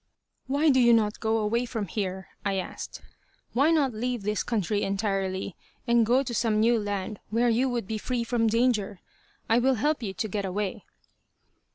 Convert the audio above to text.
"Why do you not go away from here?" I asked. "Why not leave this country entirely, and go to some new land where you would be free from danger? I will help you to get away."